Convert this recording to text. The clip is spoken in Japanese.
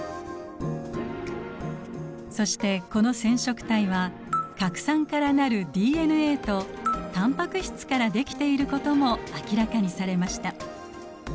そしてこの染色体は核酸から成るＤＮＡとタンパク質からできていることも明らかにされました。